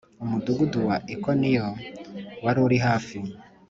Umudugudu wa Ikoniyo wari uri hafi .